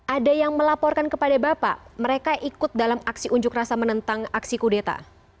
ada yang melaporkan kepada bapak mereka ikut dalam aksi unjuk rasa menentang aksi kudeta